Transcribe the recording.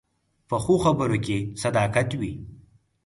پخو خبرو کې صداقت وي